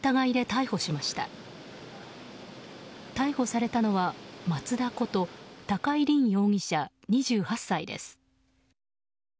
逮捕されたのは、松田こと高井凜容疑者２８歳です。